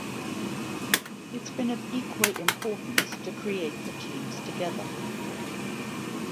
It’s been of equal importance to create the teams together.